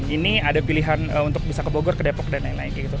ini ada pilihan untuk bisa ke bogor ke depok dan lain lain gitu